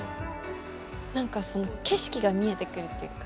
何か景色が見えてくるっていうか。